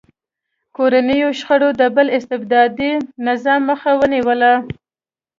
کورنیو شخړو د بل استبدادي نظام مخه ونیوله.